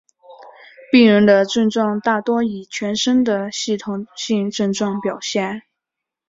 病人的症状大多以全身的系统性症状表现。